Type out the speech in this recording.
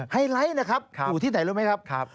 ไลท์นะครับอยู่ที่ไหนรู้ไหมครับ